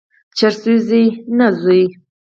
چرسي زوی، نه زوی.